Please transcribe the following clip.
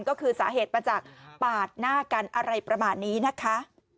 ก็คือสาเหตุมาจากปาดหน้ากันอะไรประมาณนี้นะคะ